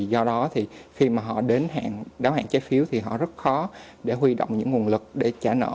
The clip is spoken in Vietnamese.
do đó thì khi mà họ đến đáo hạn trái phiếu thì họ rất khó để huy động những nguồn lực để trả nợ